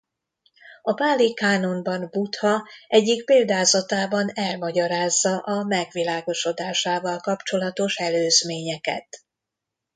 A páli kánonban Buddha egyik példázatában elmagyarázza a megvilágosodásával kapcsolatos előzményeket.